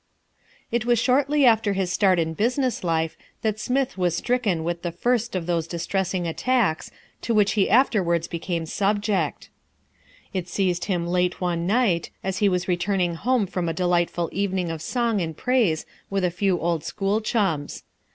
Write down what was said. It was shortly after his start in business life that Smith was stricken with the first of those distressing attacks, to which he afterwards became subject. It seized him late one night as he was returning home from a delightful evening of song and praise with a few old school chums.